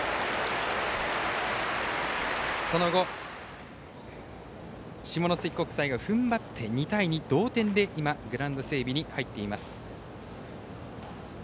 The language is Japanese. その後、下関国際が踏ん張って２対２、同点でグラウンド整備に入っています。